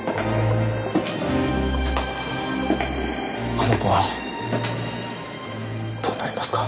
あの子はどうなりますか？